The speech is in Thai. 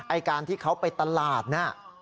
ไอ้การที่เขาไปตลาดน่ะ